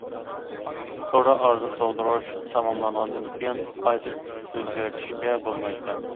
توردا ئارزۇ تولدۇرۇش تاماملانغاندىن كېيىن قايتا ئۆزگەرتىشكە بولمايدىكەن.